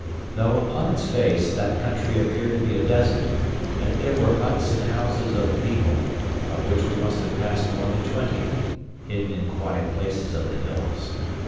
Though, upon its face, that country appeared to be a desert, yet there were huts and houses of the people, of which we must have passed more than twenty, hidden in quiet places of the hills.